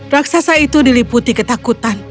raksasa itu diliputi ketakutan